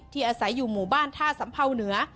อาศัยอยู่หมู่บ้านท่าสัมเภาเหนือ